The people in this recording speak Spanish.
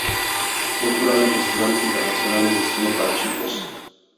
Fue jurado en festivales internacionales de cine para chicos.